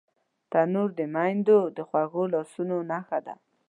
تنور د میندو د خوږو لاسونو نښه ده